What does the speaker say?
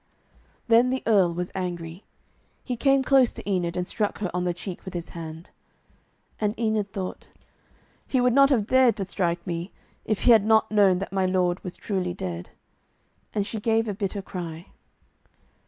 Then the Earl was angry. He came close to Enid, and struck her on the cheek with his hand. And Enid thought, 'He would not have dared to strike me, if he had not known that my lord was truly dead,' and she gave a bitter cry.